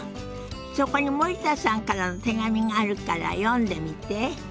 そこに森田さんからの手紙があるから読んでみて。